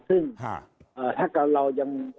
ซึ่งถ้าเรายัง